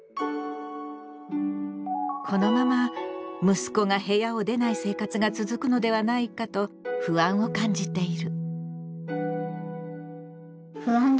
このまま息子が部屋を出ない生活が続くのではないかと不安を感じている。